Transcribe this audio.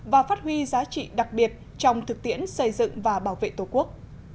và phát huy giá trị đặc biệt trong thực tiễn xây dựng và bảo vệ tổ quốc